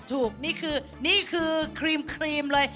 ถูกนี่คือครีมเลย